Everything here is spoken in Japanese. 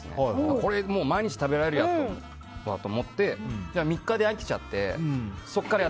これ、毎日食べられるやと思ったんですけど３日で飽きちゃって。